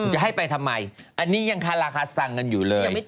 จะให้ไปทำไมอันนี้ยังคาราคาซังกันอยู่เลย